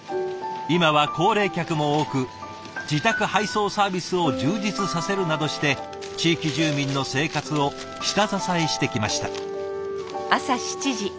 今は高齢客も多く自宅配送サービスを充実させるなどして地域住民の生活を下支えしてきました。